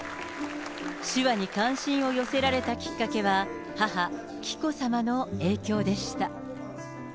手話に関心を寄せられたきっかけは、母、紀子さまの影響でした。